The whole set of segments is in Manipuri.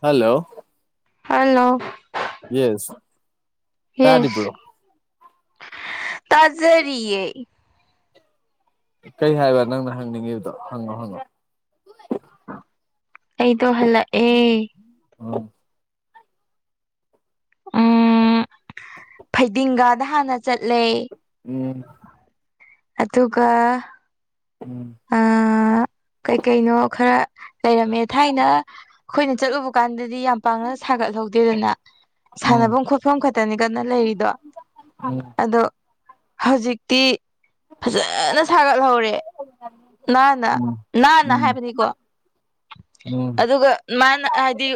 ꯍꯜꯂꯣ ꯍꯜꯂꯣ ꯌꯦꯁ ꯌꯦꯁ ꯇꯥꯔꯤꯕ꯭ꯔꯣ ꯇꯖꯔꯤꯌꯦ ꯀꯩ ꯍꯥꯏꯕ ꯅꯪꯅ ꯍꯪꯅꯤꯡꯉꯤꯕꯗꯣ ꯍꯪꯉꯣ ꯍꯪꯉꯣ ꯑꯩꯗꯣ ꯍꯂꯛꯑꯦ ꯎꯝ ꯎꯝ ꯐꯩꯗꯤꯡꯒꯥꯗ ꯍꯥꯟꯅ ꯆꯠꯂꯦ ꯎꯝ ꯑꯗꯨꯒ ꯎꯝ ꯑꯥ ꯀꯩ ꯀꯩꯅꯣ ꯈꯔ ꯂꯩꯔꯝꯃꯦ ꯊꯥꯏꯅ ꯑꯈꯣꯏꯅ ꯆꯠꯂꯨꯕ ꯀꯥꯟꯗꯗꯤ ꯌꯥꯝ ꯄꯥꯛꯅ ꯁꯥꯒꯠꯍꯧꯗꯦꯗꯅ ꯁꯥꯟꯅꯕꯝ ꯈꯣꯠꯐꯝ ꯈꯇꯅꯤ ꯗꯅꯥ ꯂꯩꯔꯤꯗꯣ ꯎꯝ ꯑꯗꯣ ꯍꯧꯖꯤꯛꯇꯤ ꯐꯖꯅ ꯁꯥꯒꯠꯍꯧ ꯅꯥꯟꯅ ꯎꯝ ꯎꯝ ꯅꯥꯟꯅ ꯎꯝ ꯍꯥꯏꯕꯗꯤꯀꯣ ꯎꯝ ꯑꯗꯨꯒ ꯃꯥꯅ ꯍꯥꯏꯗꯤ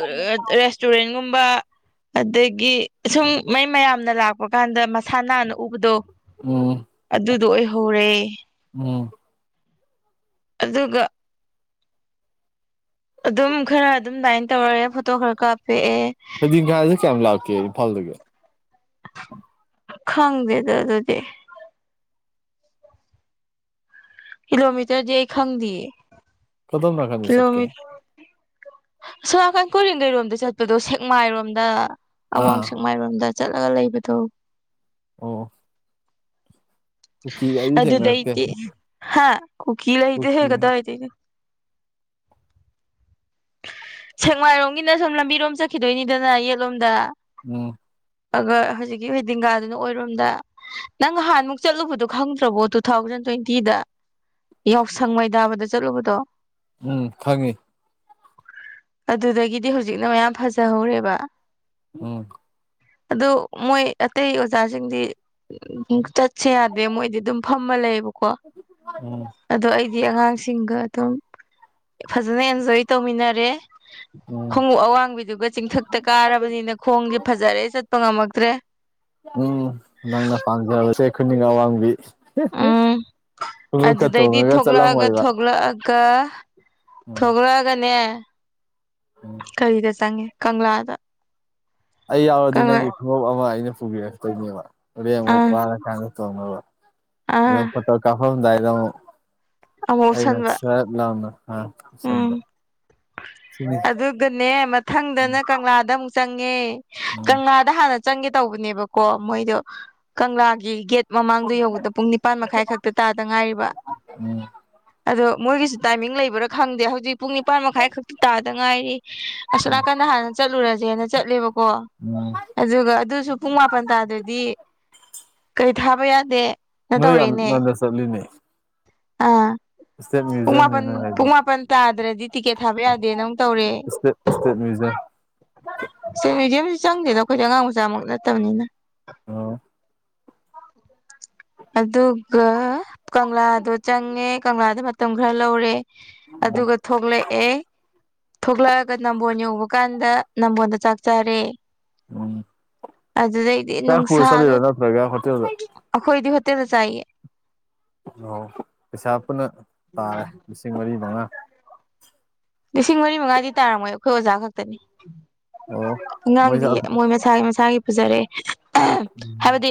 ꯔꯦꯁꯇꯨꯔꯦꯟꯒꯨꯝꯕ ꯑꯗꯒꯤ ꯁꯨꯝ ꯃꯩ ꯃꯌꯥꯝꯅ ꯂꯥꯛꯄ ꯀꯥꯟꯗ ꯃꯁꯥ ꯅꯥꯟꯅ ꯎꯕꯗꯣ ꯎꯝ ꯑꯗꯨꯗꯣ ꯑꯣꯏꯍꯧꯔꯦ ꯎꯝ ꯑꯗꯨꯒ ꯑꯗꯨꯝ ꯈꯔ ꯑꯗꯨꯝ ꯗꯥꯏꯟ ꯇꯧꯔꯑꯦ ꯐꯣꯇꯣ ꯈꯔ ꯀꯥꯞꯄ‌ꯦꯑꯦ ꯍꯩꯗꯤꯡꯒꯖ‌ꯦ ꯀꯌꯥꯝ ꯂꯥꯞꯀꯦ ꯏꯝꯐꯥꯜꯗꯒꯤ ꯈꯪꯗꯦꯗ ꯑꯗꯨꯗꯤ ꯀꯤꯂꯣꯃꯤꯇꯔꯗꯤ ꯑꯩ ꯈꯪꯗꯤꯌꯦ ꯀꯗꯣꯝ ꯅꯥꯀꯟꯗ ꯀꯤꯂꯣꯃꯤ ꯆꯠꯀꯦ ꯑꯁꯣꯝꯅꯥꯀꯟ ꯀꯣꯔꯦꯡꯒꯩꯔꯣꯝꯗ ꯆꯠꯄꯗꯣ ꯁꯦꯛꯃꯥꯏꯔꯣꯝꯗ ꯑꯋꯥꯡ ꯑꯥ ꯁꯦꯛꯃꯥꯏꯔꯣꯝꯗ ꯆꯠꯂꯒ ꯂꯩꯕꯗꯣ ꯑꯣ ꯀꯨꯀꯤꯒ ꯑꯩꯗꯤ ꯊꯦꯡꯅꯔꯛꯇꯦ ꯑꯗꯨꯗꯩꯇꯤ ꯍꯥ ꯀꯨꯀꯤ ꯂꯩꯇꯦꯍꯦ ꯀꯨꯀꯤ ꯀꯗꯥꯏꯗꯩꯅꯣ ꯁ‌ꯦꯛꯃꯥꯏꯔꯣꯝꯒꯤꯅ ꯁꯨꯝ ꯂꯝꯕꯤꯔꯣꯝ ꯆꯠꯈꯤꯗꯣꯏꯅꯤꯗꯅ ꯌꯦꯠꯂꯣꯝꯗ ꯎꯝ ꯑꯒ ꯍꯧꯖꯤꯛꯀꯤ ꯍꯩꯗꯤꯡꯒꯥꯗꯨꯅ ꯑꯣꯏ ꯔꯣꯝꯗ ꯅꯪ ꯉꯍꯥꯟꯃꯨꯛ ꯆꯠꯂꯨꯕꯗꯨ ꯈꯪꯗ꯭ꯔꯕꯣ ꯇꯨꯊꯥꯎꯖꯟ ꯇ꯭ꯋꯦꯟꯇꯤꯗ꯫ ꯌꯥꯎꯁꯪ ꯃꯩ ꯗꯥꯕꯗ ꯆꯠꯂꯨꯕꯗꯣ ꯎꯝ ꯈꯪꯉꯦ ꯑꯗꯨꯗꯒꯤꯗꯤ ꯍꯧꯖꯤꯛꯅ ꯃꯌꯥꯝ ꯐꯖꯍꯧꯔꯦꯕ ꯎꯝ ꯑꯗꯨ ꯃꯣꯏ ꯑꯇꯩ ꯑꯣꯖꯥꯁꯤꯡꯗꯤ ꯎꯝ ꯆꯠ ꯁꯦ ꯌꯥꯗꯦ ꯃꯣꯏꯗꯤ ꯑꯗꯨꯝ ꯐꯝꯃ ꯂꯩꯌꯦꯕꯀꯣ ꯎꯝ ꯑꯗꯣ ꯑꯩꯗꯤ ꯑꯉꯥꯡꯁꯤꯡꯒ ꯑꯗꯨꯝ ꯐꯖꯅ ꯑꯦꯟꯖꯣꯏ ꯇꯧꯃꯤꯟꯅꯔꯦ꯫ ꯎꯝ ꯈꯣꯡꯎꯞ ꯑꯋꯥꯡꯕꯤꯗꯨꯒ ꯆꯤꯡꯊꯛꯇ ꯀꯥꯔꯕꯅꯤꯅ ꯈꯣꯡꯗꯤ ꯐꯖꯔꯦ ꯆꯠꯄ ꯉꯝꯃꯛꯇ꯭ꯔꯦ ꯎꯝ ꯅꯪꯅ ꯄꯝꯖꯕꯁꯦ ꯈꯨꯅꯤꯡ ꯑꯋꯥꯡꯕꯤ꯫ ꯎꯝ ꯈꯨꯃꯨꯛꯀ ꯇꯣꯡꯉꯒ ꯆꯠꯂꯝꯃꯣꯏꯕ ꯀ ꯎꯝ ꯊꯣꯛꯂꯛꯑꯒꯅꯦ ꯎꯝ ꯀꯔꯤꯗ ꯆꯪꯉꯦ ꯀꯪꯂꯥꯗ ꯑꯩ ꯌꯥꯎꯔꯗꯤ ꯀꯪꯂꯥ ꯅꯪꯒꯤ ꯈꯣꯡꯎꯞ ꯑꯃ ꯑꯩꯅ ꯄꯨꯕꯤꯔꯛꯇꯣꯏꯅꯦꯕ ꯍꯣꯔꯦꯟ ꯑꯃꯨꯛ ꯑꯥ ꯋꯥꯔ ꯀꯥꯟꯗ ꯇꯣꯡꯅꯕ꯫ ꯑꯥ ꯑꯗꯨꯝ ꯐꯣꯇꯣ ꯀꯥꯄꯝꯗꯥꯏꯗ ꯑꯃꯨꯛ ꯑꯃꯨꯛ ꯑꯩꯅ ꯎꯞꯁꯟꯕ ꯁꯠ ꯂꯥꯎꯅ ꯑ ꯎꯝ ꯑꯗꯨꯒꯅꯦ ꯃꯊꯪꯗꯅ ꯀꯪꯂꯥꯗ ꯑꯃꯨꯛ ꯆꯪꯉꯦ꯫ ꯎꯝ ꯀꯪꯂꯥꯗ ꯍꯥꯟꯅ ꯆꯪꯒꯦ ꯇꯧꯕꯅꯦꯕꯀꯣ ꯃꯣꯏꯗꯣ ꯀꯪꯂꯥꯒꯤ ꯒꯦꯠ ꯃꯃꯥꯡꯗꯣ ꯌꯧꯕꯗ ꯄꯨꯡ ꯅꯤꯄꯥꯜ ꯃꯈꯥꯏ ꯈꯛꯇ ꯇꯥꯗ ꯉꯥꯏꯔꯤꯕ ꯎꯝ ꯑꯗꯣ ꯃꯣꯏꯒꯤꯁꯨ ꯇꯥꯏꯃꯤꯡ ꯂꯩꯕ꯭ꯔꯥ ꯈꯪꯗꯦ ꯍꯧꯖꯤꯛ ꯄꯨꯡ ꯅꯤꯄꯥꯟ ꯃꯈꯥꯏ ꯈꯛꯇ ꯇꯥꯗ ꯉꯥꯏꯔꯤ ꯑꯁꯣ ꯎꯝ ꯅꯥꯀꯟꯗ ꯍꯥꯟꯅ ꯆꯠꯂꯨꯔꯁꯦꯅ ꯆꯠꯂꯦꯕꯀꯣ ꯎꯝ ꯑꯗꯨꯒ ꯑꯗꯨꯁꯨ ꯄꯨꯡ ꯃꯥꯄꯟ ꯇꯥꯗꯗꯤ ꯀꯩ ꯊꯥꯕ ꯌꯥꯗꯦ ꯅꯣꯏ ꯌꯥꯝ ꯉꯟꯅ ꯆꯠꯂꯤꯅꯦ ꯑ ꯏꯁꯇꯦꯠ ꯄꯨꯡ ꯃ꯭ꯌꯨꯖꯤꯌꯝꯅꯦ ꯃꯥꯄꯟ ꯅꯣꯏ ꯍꯥꯏꯗꯣ ꯄꯨꯡ ꯃꯥꯄꯟ ꯇꯥꯗꯔ꯭ꯗꯤ ꯇꯤꯀꯦꯠ ꯊꯥꯕ ꯌꯥꯗꯦ ꯅꯥ ꯑꯃꯨꯛ ꯇꯧꯔꯦ ꯏꯁꯇꯦꯠ ꯏꯁꯇꯦꯠ ꯃ꯭ꯌꯨꯖꯤꯌꯝ ꯏꯁꯇꯦꯠ ꯃꯨ꯭ꯏꯖꯝꯁꯨ ꯆꯪꯗꯦꯗ ꯑꯩꯈꯣꯏꯗꯤ ꯑꯉꯥꯡ ꯃꯆꯥꯃꯛ ꯅꯠꯇꯕꯅꯤꯅ ꯑꯣ ꯑꯗꯨꯒ ꯀꯪꯂꯥꯗꯣ ꯆꯪꯉꯦ ꯀꯪꯂꯥꯗ ꯃꯇꯝ ꯈꯔ ꯂꯧꯔꯦ ꯎꯝ ꯑꯗꯨꯒ ꯊꯣꯛꯂꯛꯑꯦ ꯊꯣꯛꯂꯛꯑꯒ ꯅꯝꯕꯣꯜ ꯌꯧꯕ ꯀꯥꯟꯗ ꯅꯝꯕꯣꯟꯗ ꯆꯥꯛ ꯆꯔꯦ ꯎꯝ ꯆꯥꯛ ꯄꯨꯔꯥ ꯅꯨꯡꯁꯥꯗꯣ ꯆꯠꯂꯤꯔꯥ ꯅꯠꯇ꯭ꯔꯒ ꯍꯣꯇꯦꯜꯗ ꯑꯩꯈꯣꯏꯗꯤ ꯍꯣꯠꯇꯦꯗꯥ ꯆꯥꯏꯌꯦ ꯍꯣ ꯄꯩꯁꯥ ꯄꯨꯟꯅ ꯇꯥꯔꯦ ꯂꯤꯁꯤꯡ ꯃꯔꯤ ꯃꯉꯥ ꯂꯤꯁꯤꯡ ꯃꯔꯤ ꯃꯉꯥꯗꯤ ꯇꯥꯔꯝꯃꯣꯏ ꯑꯩꯈꯣꯏ ꯑꯣꯖꯥ ꯈꯛꯇꯅꯤ ꯑꯣ ꯃꯣꯏꯁꯦ ꯑꯉꯥꯡꯗꯤ ꯃꯣꯏ ꯃꯁꯥꯒꯤ ꯃꯁꯥꯒꯤ ꯄꯨꯖꯔꯛꯑꯦ ꯎꯝ ꯍꯥꯏꯕꯗꯤ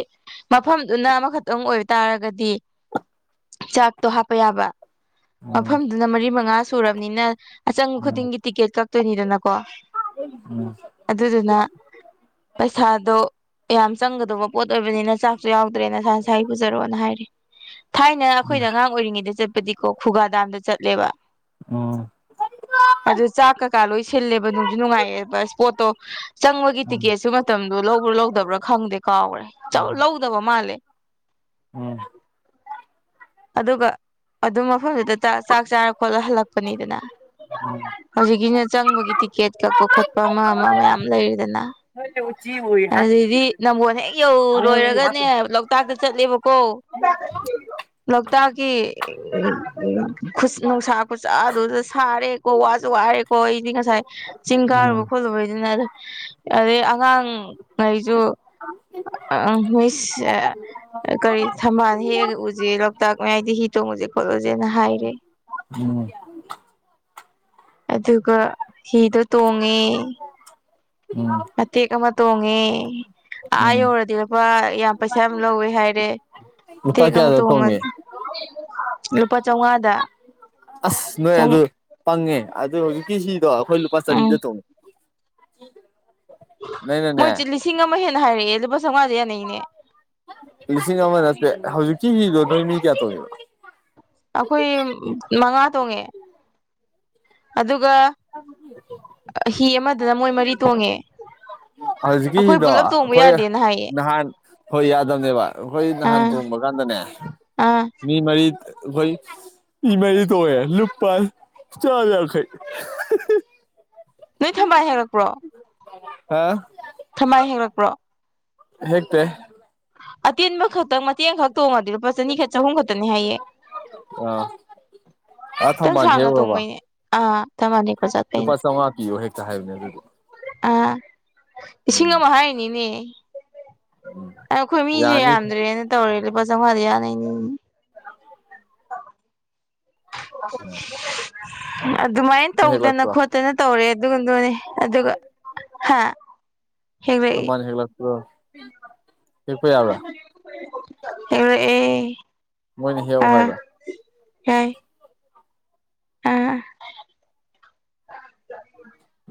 ꯃꯐꯝꯗꯨꯅ ꯑꯃꯈꯛꯇꯪ ꯑꯣꯏꯕ ꯇꯥꯔꯒꯗꯤ ꯆꯥꯛꯇꯣ ꯍꯥꯞꯄ ꯌꯥꯕ ꯎꯝ ꯃꯐꯝꯗꯨꯅ ꯃꯔꯤ ꯃꯉꯥ ꯁꯨꯔꯕꯅꯤꯅ ꯑꯆꯪ ꯎꯝ ꯈꯨꯗꯤꯡꯒꯤ ꯇꯤꯀꯦꯠ ꯀꯛꯇꯣꯏꯅꯤꯗꯅꯀꯣ ꯎꯝ ꯑꯗꯨꯗꯨꯅ ꯄꯩꯁꯥꯗꯣ ꯌꯥꯝ ꯆꯪꯒꯗꯧꯕ ꯄꯣꯠ ꯑꯣꯏꯕꯅꯤꯅ ꯆꯥꯛꯁꯨ ꯌꯥꯎꯗ꯭ꯔꯦ ꯅꯥꯁꯥ ꯅꯥꯁꯥꯏ ꯄꯨꯖꯔꯛꯑꯣꯅ ꯍꯥꯏꯔꯦ ꯊꯥꯏꯅ ꯑꯩꯈꯣꯏꯗ ꯑꯉꯥꯡ ꯑꯣꯏꯔꯤꯉꯩꯗ ꯆꯠꯄꯗꯤꯀꯣ ꯈꯨꯒꯥ ꯗꯥꯝꯗ ꯆꯠꯂꯦꯕ ꯑꯣ ꯑꯗꯨ ꯆꯥꯛ ꯀꯀꯥ ꯂꯣꯏ ꯁꯤꯜꯂꯦꯕ ꯅꯨꯡꯁꯨ ꯅꯨꯡꯉꯥꯏꯑꯦꯕ ꯏꯁꯄꯣꯠꯇꯣ ꯆꯪꯕꯒꯤ ꯎꯝ ꯇꯤꯛꯀꯦꯠꯁꯨ ꯃꯇꯝꯗꯨꯣ ꯂꯧꯕ꯭ꯔꯥ ꯂꯧꯗꯕ꯭ꯔꯥ ꯈꯪꯗꯦ ꯀꯥꯎꯈꯔꯦ ꯎꯝ ꯂꯧꯗꯕ ꯃꯥꯜꯂꯦ ꯎꯝ ꯑꯗꯨꯒ ꯑꯗꯨꯝ ꯃꯐꯝꯗꯨꯗ ꯆꯥꯛ ꯆꯥꯔ ꯈꯣꯠꯂ ꯍꯜꯂꯛꯄꯅꯤꯗꯅ ꯍꯧꯖꯤꯛꯀꯤꯅ ꯆꯪꯕꯒꯤ ꯇꯤꯛꯀꯦꯠ ꯀꯛꯄ ꯈꯣꯠꯄ ꯑꯃ ꯑꯃ ꯃꯌꯥꯝ ꯂꯩꯔꯤꯗꯅ ꯑꯗꯨꯗꯤ ꯅꯝꯕꯣꯟ ꯍꯦꯛ ꯌꯧ ꯂꯣꯏꯔꯒꯅꯦ ꯂꯣꯛꯇꯥꯛꯇ ꯆꯠꯂꯦꯕꯀꯣ ꯂꯣꯛꯇꯥꯛꯀꯤ ꯅꯨꯡꯁꯥ ꯈꯨꯁꯥ ꯑꯗꯨꯗ ꯁꯥꯔꯦ ꯀꯣ ꯋꯥꯁꯨ ꯋꯥꯔꯦꯀꯣ ꯑꯩꯗꯤ ꯉꯁꯥꯏ ꯆꯤꯡ ꯀꯥꯔꯨꯕ ꯎꯝ ꯈꯣꯠꯂꯨꯕꯩꯗꯨꯅ ꯑꯗꯨ ꯑꯗꯩ ꯑꯉꯥꯡ ꯉꯩꯖꯨ [unintelligible] ꯀꯔꯤ ꯊꯝꯕꯥꯜ ꯍꯦꯛꯑꯒ [unintelligible] ꯗꯤ ꯍꯤ ꯇꯣꯡꯉꯨꯖꯦ ꯈꯣꯠꯂꯨꯖꯦꯅ ꯍꯥꯏꯔꯦ ꯎꯝ ꯑꯗꯨꯒ ꯍꯤꯗꯣ ꯇꯣꯡꯉꯦ [inaudible] ꯃꯠꯇꯦ ꯑꯃ ꯇꯣꯡꯉꯦ ꯑꯥ ꯎꯝ ꯌꯧꯔꯗꯤ ꯂꯨꯄꯥ ꯌꯥꯝ ꯄꯩꯁꯥ ꯌꯥꯝ ꯂꯧꯋꯦ ꯍꯥꯏꯔꯦ ꯇꯦꯛ ꯂꯨꯄꯥ ꯑꯃ ꯀꯌꯥꯗ ꯇꯣꯡꯉ ꯇꯣꯡꯉꯦ ꯂꯨꯄꯥ ꯆꯧꯉꯥꯗ ꯑꯁ ꯅꯣꯏ ꯑꯗꯨ ꯄꯪꯉꯦ ꯑꯗꯨ ꯍꯧꯖꯤꯛꯀꯤ ꯍꯤꯗꯣ ꯑꯩꯈꯣꯏ ꯂꯨꯄꯥ ꯆꯥꯅꯤꯗ ꯎꯝ ꯇꯧꯉꯦ [unintelligible] ꯃꯣꯏ ꯖꯦ ꯂꯤꯁꯤꯡ ꯑꯃ ꯍꯦꯟꯅ ꯍꯥꯏꯔꯛꯑꯦ ꯂꯨꯄꯥ ꯆꯧꯉꯥꯗ ꯌꯥꯅꯩꯅꯦ ꯂꯤꯁꯤꯡ ꯑꯃ ꯅꯠꯇ꯭ꯔꯦ ꯍꯧꯖꯤꯛꯀꯤ ꯍꯤꯗꯣ ꯅꯣꯏ ꯃꯤ ꯀꯌꯥ ꯇꯣꯡꯉꯤꯕ ꯑꯩꯈꯣꯏ ꯃꯉꯥ ꯇꯣꯡꯉꯦ ꯑꯗꯨꯒ [inaudible] ꯍꯤ ꯑꯃꯗꯅ ꯃꯣꯏ ꯃꯔꯤ ꯇꯣꯡꯉꯦ ꯍꯧꯖꯤꯛꯀꯤ ꯑꯩꯈꯣꯏ ꯍꯤꯗꯣ ꯄꯨꯜꯂꯞ ꯇꯣꯡꯕ ꯑꯩꯈꯣꯏ ꯌꯥꯗꯦꯅ ꯍꯥꯏꯌꯦ ꯅꯍꯥꯟ ꯍꯣꯏ ꯌꯥꯗꯝꯅꯦꯕ ꯑꯩꯈꯣꯏ ꯅꯍꯥꯟ ꯑꯥ ꯊꯣꯡꯕ ꯀꯥꯟꯗꯅꯦ ꯑꯥ ꯃꯤ ꯃꯔꯤ ꯑꯩꯈꯣꯏ ꯃꯤ ꯃꯔꯤ ꯇꯣꯡꯉꯛꯑꯦ ꯂꯨꯄꯥ ꯆꯥꯝꯌꯥꯡꯈꯩ ꯅꯣꯏ ꯊꯝꯕꯥꯜ ꯍꯦꯛꯂꯛꯄ꯭ꯔꯣ ꯍꯥ ꯊꯃꯥꯏ ꯍꯦꯛꯂꯛꯄ꯭ꯔꯣ ꯍꯦꯛꯇꯦ ꯑꯇꯦꯟꯕ ꯈꯛꯇꯪ ꯃꯇꯦꯛꯑꯝꯈꯪ ꯇꯣꯡꯉꯥꯗꯤ ꯂꯨꯄꯥ ꯆꯅꯤꯈꯛ ꯆꯍꯨꯝ ꯈꯛꯇꯅꯦ ꯍꯥꯏꯌꯦ ꯑꯥ ꯑꯥ ꯈꯤꯇꯪ ꯊꯝꯕꯥꯜ ꯁꯥꯡꯅ ꯍꯦꯛꯎꯔꯕ ꯇꯣꯡꯕꯩꯅꯦ ꯑꯥ ꯊꯝꯕꯥꯟ ꯍꯦꯛꯄꯥ ꯆꯠꯄꯩꯅꯦ ꯂꯨꯄꯥ ꯆꯥꯝꯃꯉꯥ ꯄꯤꯌꯣ ꯍꯦꯛꯇ ꯍꯥꯏꯕꯅꯦ ꯑꯗꯨꯗꯤ ꯑꯥ ꯎꯝ ꯏꯁꯤꯡ ꯑꯃ ꯍꯥꯏꯔꯤꯅꯤꯅꯦ ꯑꯥ ꯑꯩꯈꯣꯏ ꯃꯤꯖꯨ ꯌꯥꯅꯤ ꯌꯥꯝꯗ꯭ꯔꯦꯅ ꯇꯧꯔꯦ ꯂꯨꯄꯥ ꯆꯧꯉꯥꯗ ꯌꯥꯅꯩꯅꯦꯃꯤ ꯑꯗꯨꯃꯥꯏꯅ ꯇꯧꯗꯅ ꯍꯦꯛꯂꯛꯄ꯭ꯔꯣ ꯈꯣꯠꯇꯅ ꯇꯧꯔꯦ ꯑꯗꯨꯒ ꯗꯨꯅꯦ ꯑꯗꯨꯒ ꯍꯥ ꯍꯦꯛꯂꯛꯏ ꯊꯝꯕꯥꯜ ꯍꯦꯛꯄ꯭ꯔꯣ [unintelligible] ꯍꯦꯛꯄꯥ ꯌꯥꯕ꯭ꯔꯥ ꯍꯦꯛꯔꯛꯑꯦ ꯃꯣꯏꯅ ꯍꯦꯛꯑꯣ ꯍꯥꯏꯕ ꯍꯥꯏ ꯑꯥ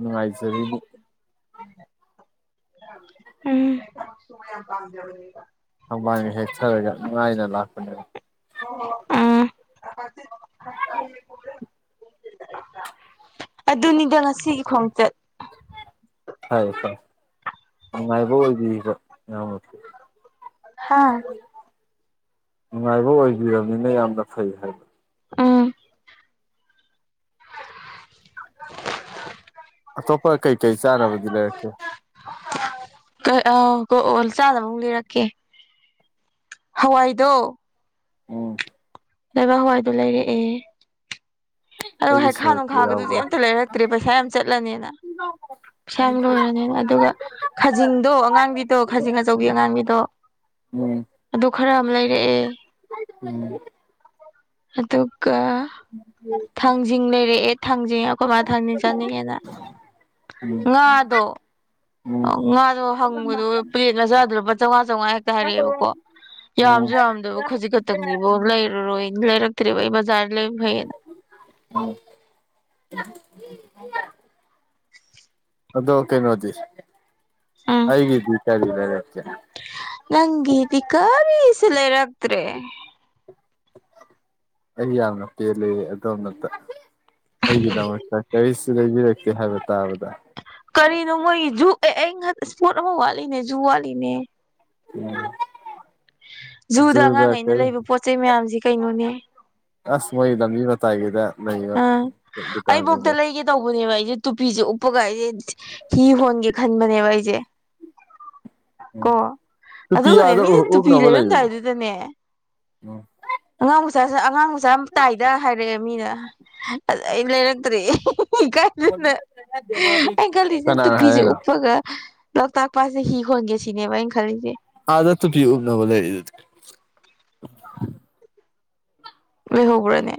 ꯅꯨꯡꯉꯥꯏꯖꯔꯤꯕꯨ ꯎꯝ ꯊꯝꯕꯥꯜꯒ ꯍꯦꯛꯊꯔꯒ ꯅꯨꯡꯉꯥꯏꯅ ꯂꯥꯛꯄꯅꯦꯕ ꯑꯥ ꯑꯗꯨꯅꯤꯗ ꯉꯁꯤꯒꯤ ꯈꯣꯡꯆꯠ ꯐꯩ ꯐꯥꯏ ꯅꯨꯡꯉꯥꯏꯕ ꯑꯣꯏꯕꯤꯔꯤꯗꯣ ꯌꯥꯝꯅ ꯍꯥ ꯅꯨꯡꯉꯥꯏꯕ ꯑꯣꯏꯕꯤꯔꯝꯅꯤꯅ ꯌꯥꯝꯅ ꯐꯩ ꯍꯥꯏꯕ ꯎꯝ ꯑꯇꯣꯞꯄ ꯀꯩ-ꯀꯩ ꯆꯥꯅꯕꯗꯤ ꯂꯩꯔꯛꯀꯦ ꯑꯥ ꯑꯣ ꯑꯣ ꯆꯥꯅꯥꯕꯃꯨꯛ ꯂꯩꯔꯛꯀꯦ ꯍꯋꯥꯏꯗꯣ ꯑꯣ ꯂꯩꯕꯥꯛ ꯍꯋꯥꯏꯗꯣ ꯂꯩꯔꯛꯑꯦ ꯑꯗꯨ ꯑꯩꯒꯤ ꯍꯩꯈꯥ ꯁꯔꯨꯛꯇꯤ ꯅꯨꯡꯈꯥꯒꯗꯨꯗꯤ ꯌꯥꯎꯕ꯭ꯔꯥ ꯑꯃꯠꯇ ꯂꯩꯔꯛꯇ꯭ꯔꯦ ꯄꯩꯁꯥ ꯌꯥꯝ ꯆꯠꯂꯅꯤꯅ ꯍ ꯄꯩꯁꯥ ꯌꯥꯝ ꯂꯣꯏꯔꯅꯦꯅ ꯑꯗꯨꯒ ꯈꯥꯖꯤꯡꯗꯣ ꯑꯉꯥꯡꯕꯤꯗꯣ ꯈꯥꯖꯤꯡ ꯑꯆꯧꯕꯤ ꯑꯉꯥꯡꯕꯤꯗꯣ ꯑꯗꯨ ꯈꯔ ꯑꯃꯥ ꯂꯩꯔꯛꯑꯦ ꯥ [unintelligible] ꯑꯗꯨꯒꯥ ꯊꯥꯡꯖꯤꯡ ꯂꯩꯔꯛꯑꯦ ꯊꯥꯡꯖꯤꯡ ꯑꯩꯈꯣꯏ ꯃꯥ ꯊꯥꯡꯖꯤꯡ ꯆꯥꯅꯤꯡꯉꯦꯅ ꯎꯝ ꯉꯥꯗꯣ ꯎꯝ ꯉꯥꯗꯣ ꯍꯪꯕꯗꯣ ꯄ꯭ꯂꯦꯠ ꯃꯆꯥꯗꯨꯗ ꯂꯨꯄꯥ ꯆꯧꯉꯥ ꯆꯧꯉꯥꯌꯦ ꯍꯥꯏꯔꯛꯑꯦꯕꯀꯣ ꯎꯝ ꯌꯥꯝꯖꯨ ꯌꯥꯝꯗꯕ ꯈꯖꯤꯛ ꯈꯛꯇꯪꯖꯤꯕꯣ ꯂꯩꯔꯔꯣꯏ ꯂꯩꯔꯛ ꯇ꯭ꯔꯦꯕꯥ ꯕꯖꯔꯗꯩꯩ ꯂꯩꯕꯅꯥ ꯐꯩꯅ ꯎꯝ ꯑꯗꯣ ꯀꯩꯅꯣꯗꯤ ꯎꯝ ꯑꯩꯒꯤꯗꯤ ꯀꯔꯤ ꯂꯩꯔꯛꯀꯦ ꯅꯪꯒꯤꯗꯤ ꯀꯔꯤꯁꯨ ꯂꯩꯔꯥꯛꯇ꯭ꯔꯦ ꯑꯩ ꯌꯥꯝꯅ ꯄꯦꯜꯂꯦ ꯑꯗꯣꯝꯅꯇꯥ ꯑꯩꯒꯤꯗꯃꯛꯇꯥ ꯀꯔꯤꯁꯨ ꯂꯩꯕꯤꯔꯛꯇꯦ ꯍꯥꯏꯕ ꯇꯥꯕꯗ ꯀꯔꯤꯅꯣ ꯃꯣꯏꯒꯤ ꯖꯨ ꯑꯦ ꯑꯩ ꯏꯁꯄꯣꯠ ꯑꯃꯥ ꯋꯥꯠꯂꯤꯅꯦ ꯖꯨ ꯋꯥꯠꯂꯤꯅꯦ ꯎꯝ [unintelligible] ꯖꯨꯗꯥ ꯑꯉꯥꯡꯒꯩꯅ ꯂꯩꯕ ꯄꯣꯠ ꯆꯩ ꯃꯌꯥꯝꯖꯤ ꯀꯩꯅꯣꯅꯦ ꯑꯁ ꯃꯣꯏ ꯂꯝꯕꯤ ꯃꯇꯥꯏꯒꯤꯗ ꯂꯩꯕ ꯑꯥ ꯑꯩꯕꯧꯇ ꯗꯨꯀꯥꯟꯖꯤꯡꯗꯣ ꯂꯩꯒꯦ ꯇꯧꯕꯅꯦꯕ ꯑꯩꯖꯦ ꯇꯨꯄꯤꯖꯦ ꯎꯞꯄꯥꯒ ꯑꯩꯖꯦ ꯍꯤ ꯍꯣꯟꯒꯦ ꯈꯟꯕꯥꯅꯦꯕ ꯑꯩꯖꯦ ꯀꯣ ꯇꯨꯄꯤ ꯑꯗꯨꯒꯥꯅꯦ ꯑꯥꯗ ꯃꯤꯅ ꯇꯨꯄꯤ ꯎꯞꯅꯕ ꯂꯩꯗꯨꯗꯤ ꯂꯩꯔꯝꯗꯥꯏꯗꯨꯗꯅꯦ ꯑꯉꯥꯡ ꯃꯆꯥꯖꯦ ꯑꯉꯥꯡ ꯃꯆꯥ ꯌꯥꯝ ꯇꯥꯏꯗ ꯍꯥꯏꯔꯛꯑꯦ ꯃꯤꯅ ꯑꯗꯥ ꯑꯩ ꯂꯩꯔꯛꯇ꯭ꯔꯦ ꯏꯀꯥꯏꯗꯅ ꯑꯩ ꯈꯜꯂꯤꯖꯤꯅ ꯀꯅꯥꯅ ꯇꯨꯄꯤꯖꯦ ꯍꯥꯏꯔꯛꯏꯅꯣ ꯎꯞꯄꯥꯒ ꯂꯣꯛꯇꯥꯛ ꯄꯥꯠꯁꯦ ꯍꯤ ꯍꯣꯟꯒꯦ ꯁꯤꯅꯦꯕ ꯑꯩꯅ ꯈꯜꯂꯤꯖꯦ ꯑꯗꯥ ꯇꯨꯄꯤ ꯎꯞꯅꯥꯕ ꯂꯩꯔꯤꯗꯨꯗꯤ ꯂꯩꯍꯧꯕ꯭ꯔꯥꯅꯦ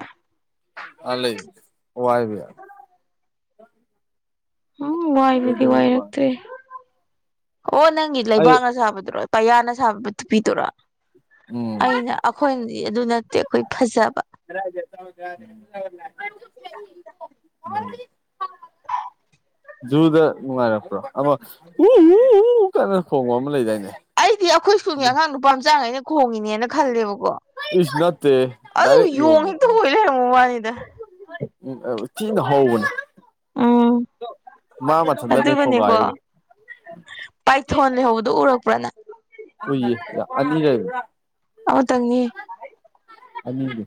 ꯑꯥ ꯂꯩ ꯋꯥꯏꯕ ꯌꯥꯏ ꯎꯝ ꯋꯥꯏꯕꯗꯤ ꯀꯩꯗꯧꯕꯩ ꯋꯥꯏ ꯋꯥꯏꯔꯛꯇꯦ ꯑꯣ ꯅꯪꯒꯤ ꯑꯩ ꯂꯩꯕꯥꯛꯅꯥ ꯁꯥꯕꯗꯨꯔꯣ ꯄꯥꯌꯥꯅ ꯁꯥꯕ ꯇꯨꯄꯤꯗꯨꯔꯣ ꯎꯝ ꯑꯩꯅ ꯑꯈꯣꯏꯗꯤ ꯑꯗꯨ ꯅꯠꯇꯦ ꯑꯈꯣꯏ ꯐꯖꯥꯕ [unintelligible] ꯖꯨꯗ ꯅꯨꯡꯉꯥꯏꯔꯛꯄ꯭ꯔꯣ ꯑꯃꯥ ꯎ-ꯎ-ꯎ ꯀꯥꯏꯅꯥ ꯈꯣꯡꯕ ꯑꯃ ꯂꯩꯗꯥꯏꯅꯦ ꯑꯩꯗꯤ ꯑꯈꯣꯏ ꯁꯀꯨꯜꯒꯤ ꯑꯉꯥꯡ ꯅꯨꯄꯥꯝꯆꯥꯉꯩꯅ ꯈꯣꯡꯉꯤꯅꯦꯅ ꯈꯜꯂꯦꯕꯀꯣ ꯏꯁ ꯅꯠꯇꯦ ꯑꯗꯨꯒꯥ ꯌꯣꯡ ꯍꯦꯛꯇꯥ ꯑꯣꯏ ꯂꯩꯔꯝꯕꯩ ꯋꯥꯅꯤꯗ ꯊꯤꯅꯥ ꯍꯧꯕꯥꯅꯤ ꯎꯝ ꯃꯥ ꯃꯥꯊꯟꯗꯥꯅꯦ ꯑꯗꯨꯒꯅꯦꯀꯣ ꯈꯣꯡꯒꯥꯏꯔꯤꯗꯣ ꯄꯥꯏꯊꯣꯟ ꯂꯩꯍꯧꯕꯗꯣ ꯎꯔꯛꯄ꯭ꯔꯥ ꯅꯪ ꯎꯏꯌꯦ ꯑꯅꯤ ꯂꯩꯕꯥꯅꯤ ꯑꯃꯥꯇꯪꯅꯤꯍꯦ ꯑꯅꯤꯅꯦ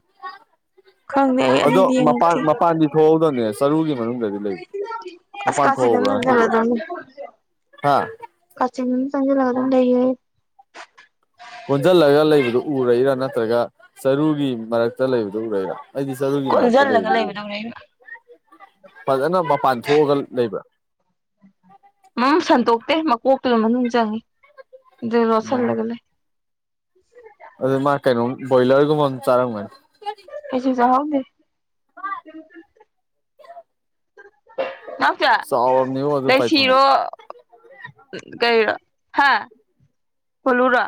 ꯈꯪꯗꯦ ꯑꯩ ꯑꯗꯣ ꯑꯅꯤꯗꯤ ꯃꯄꯥꯟ ꯌꯦꯡꯉꯛꯇꯦ ꯃꯄꯥꯟꯗꯤ ꯊꯣꯛꯍꯧꯗꯥꯕꯅꯦ ꯆꯔꯨꯒꯤ ꯃꯅꯨꯡꯗꯥꯗꯤ ꯂꯩꯕꯅꯦ ꯑꯁ ꯃꯄꯥꯟ ꯀꯥꯆꯤꯟ ꯑꯃ ꯊꯣꯛꯍꯧꯕꯔꯥ ꯉꯥꯁꯤꯗꯤ ꯆꯪꯁꯤꯜꯂꯗꯝꯅꯤ ꯍꯥ ꯀꯥꯆꯤꯟ ꯑꯃꯥꯗꯥ ꯆꯪꯖꯟꯂꯥꯒ ꯑꯗꯨꯝ ꯂꯩꯌꯦ ꯀꯣꯟꯖꯜꯂꯥꯒ ꯂꯩꯕꯗꯨ ꯎꯔꯛꯏꯔꯥ ꯅꯠꯇ꯭ꯔꯒ ꯆꯔꯨꯒꯤ ꯃꯔꯛꯇ ꯂꯩꯕꯗꯨ ꯎꯔꯛꯏꯔꯥ ꯑꯩꯗꯤ ꯆꯔꯨꯒꯤ ꯃꯔꯛꯇꯥ ꯀꯣꯟꯁꯤꯜꯂꯒ ꯂꯩꯕꯗꯨ ꯎꯔꯛꯏ ꯂꯩꯕꯗꯧꯅꯦ ꯑꯩꯅ ꯐꯖꯥꯅ ꯃꯄꯥꯟ ꯊꯣꯛꯑꯥꯒ ꯂꯩꯕ꯭ꯔꯥ ꯎꯝ ꯁꯟꯇꯣꯛꯇꯦ ꯃꯀꯣꯛꯇꯨꯅꯥ ꯃꯅꯨꯡ ꯆꯪꯉꯤ ꯑꯗꯨ ꯎꯝ ꯂꯣꯠꯁꯤꯜꯂꯒ ꯂꯩ [inaudible] ꯑꯗꯨ ꯃꯥ ꯀꯩꯅꯣ ꯕꯣꯏꯂꯔꯒꯨꯝꯕꯥ ꯑꯃꯥ ꯆꯥꯔꯝꯒꯅꯤ ꯀꯩꯁꯨ ꯆꯥꯍꯧꯗꯦ ꯆꯥꯎꯔꯕꯅꯤꯉꯣ ꯑꯗꯨ ꯄꯥꯏꯊꯣꯟꯗꯣ ꯂꯩꯁꯤꯔꯣ ꯀꯩꯔꯣ ꯍꯥ ꯍꯣꯂꯨꯔꯥ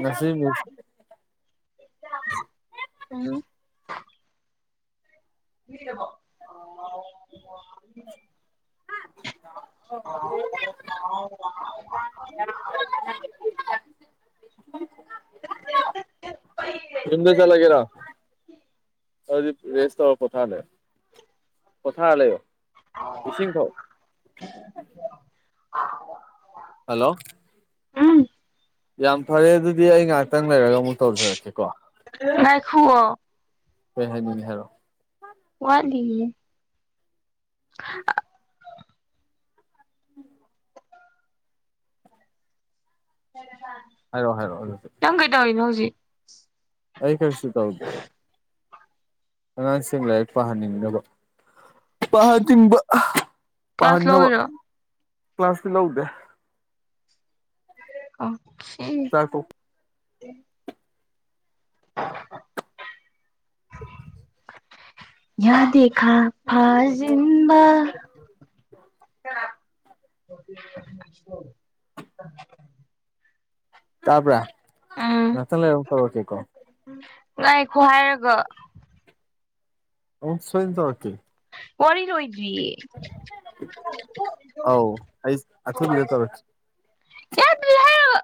ꯉꯁꯤ ꯃꯤꯁ [unintelligible] [unintelligible] [unintelligible] [unintelligible] [unintelligible] [unintelligible] ꯌꯨꯝꯗꯥ ꯆꯠꯂꯥꯒꯦꯔꯣ ꯑꯗꯨꯗꯤ ꯔꯦꯁ ꯇꯧꯔ ꯄꯣꯊꯥꯔꯦ ꯄꯣꯊꯥꯔꯥ ꯂꯩꯌꯣ ꯏꯁꯤꯡ ꯊꯥꯛꯑꯣ [inaudible] ꯍꯜꯂꯣ ꯎꯝ ꯌꯥꯝ ꯐꯔꯦ ꯑꯗꯨꯗꯤ ꯑꯩ ꯉꯥꯏꯍꯥꯛꯇꯪ ꯂꯩꯔꯒ ꯑꯃꯨꯛ ꯇꯧꯖꯔꯛꯀꯦꯀꯣ ꯉꯥꯏꯈꯨꯑꯣ ꯀꯩ ꯍꯥꯏꯅꯤꯡꯉꯤ ꯍꯥꯢꯔꯛꯑꯣ ꯋꯥꯠꯂꯤꯌꯦ ꯑ [unintelligible] ꯍ ꯍ [unintelligible] ꯍꯥꯏꯔꯛꯑꯣ ꯍꯥꯏꯔꯛꯑꯣ ꯑꯗꯨꯗꯤ ꯅꯪ ꯀꯩꯗꯧꯔꯤꯅꯣ ꯍꯧꯖꯤꯛ ꯑꯩ ꯀꯔꯤꯁꯨ ꯇꯧꯗꯦ ꯑꯉꯥꯡꯁꯤꯡ ꯂꯥꯏꯔꯤꯛ ꯄꯥꯍꯟꯅꯤꯡꯅꯕ ꯄꯥꯍꯟꯅꯤꯡꯕ ꯀ꯭ꯂꯥꯁ ꯄꯥꯍꯟꯅꯕ ꯂꯧꯔꯤꯔꯣ ꯀ꯭ꯂꯥꯁꯇꯤ ꯂꯧꯗꯦ ꯑꯣꯀꯦ ꯇꯔꯄ [unintelligible] [unintelligible] ꯌꯥꯗꯦ ꯐꯥ ꯐꯖꯤꯟꯕ [inaudible] ꯇꯥꯕ꯭ꯔꯣ ꯎꯝ ꯉꯥꯛꯇꯪ ꯂꯩꯔ ꯑꯃꯨꯛ ꯇꯧꯔꯛꯒꯦꯒꯣ ꯉꯥꯏꯈꯣ ꯍꯥꯏꯔꯒ ꯑꯃꯣꯛ ꯁꯣꯢꯗꯅꯥ ꯇꯧꯔꯛꯒꯦ ꯋꯥꯔꯤ ꯔꯣꯏꯗ꯭ꯔꯤꯌꯦ ꯑꯥꯎ ꯑꯩ ꯑꯊꯨꯕꯤꯗ ꯇꯧꯔꯛꯀꯦ ꯌꯥꯗ꯭ꯔꯤ ꯍꯥꯢꯔꯒ